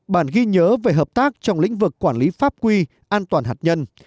bản ghi nhớ về hợp tác trong lĩnh vực quản lý pháp quy an toàn hạt nhân